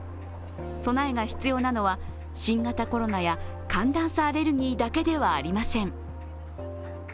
備えが必要なのは新型コロナや寒暖差アレルギーだけではありません。